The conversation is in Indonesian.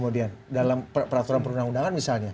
dalam peraturan perundang undangan misalnya